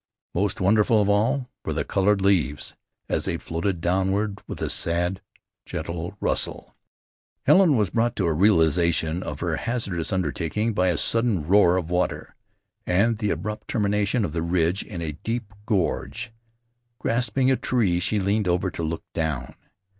Most wonderful of all were the colored leaves, as they floated downward with a sad, gentle rustle. Helen was brought to a realization of her hazardous undertaking by a sudden roar of water, and the abrupt termination of the ridge in a deep gorge. Grasping a tree she leaned over to look down.